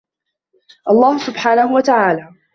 الله سبحانه و تعالى